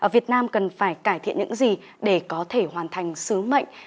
việt nam cần phải cải thiện những gì để có thể hoàn thành sứ mệnh